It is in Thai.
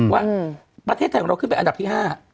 ว่าประเทศไทยของเราขึ้นเป็นอันดับที่๕